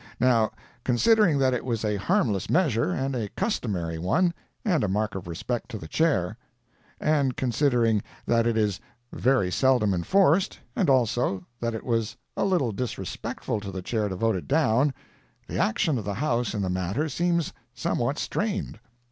Now, considering that it was a harmless measure, and a customary one, and a mark of respect to the Chair; and considering that it is very seldom enforced, and also, that it was a little disrespectful to the Chair to vote it down, the action of the House in the matter seems somewhat strained.